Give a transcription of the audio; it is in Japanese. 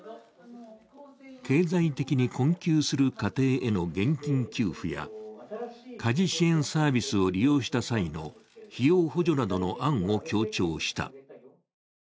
経済的に困窮する家庭への現金給付や家事支援サービスを利用した際の費用補助などの案を強調した。